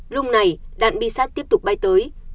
lung này đạn bi sắt tiếp tục bay tới